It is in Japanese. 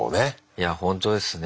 いやほんとですね。